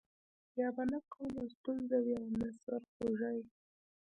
بیا به نه کومه ستونزه وي او نه سر خوږی.